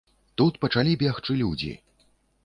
Тут пачалі бегчы людзі.